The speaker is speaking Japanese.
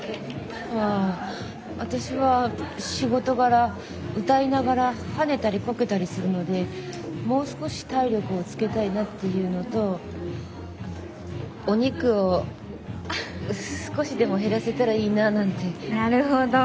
あ私は仕事柄歌いながら跳ねたりコケたりするのでもう少し体力をつけたいなっていうのとお肉を少しでも減らせたらいいなぁなんて。なるほど。